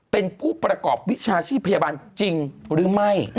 เป็นผู้ประกอบวิชาชีพพยาบาลจริงหรือไม่